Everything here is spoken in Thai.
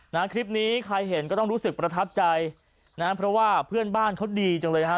นะคลิปนี้ใครเห็นก็ต้องรู้สึกประทับใจนะฮะเพราะว่าเพื่อนบ้านเขาดีจังเลยฮะ